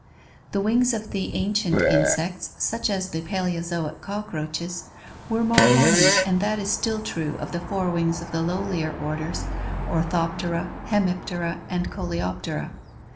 The wings of the ancient insects such as the Paleozoic cockroaches were more horny and that is still true of the fore wings of the lowlier orders, Orthoptera, Hemiptera, and Coleoptera.